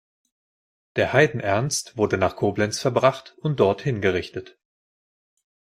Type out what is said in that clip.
Der Heiden-Ernst wurde nach Koblenz verbracht und dort hingerichtet.